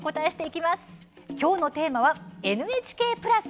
きょうのテーマは、ＮＨＫプラス。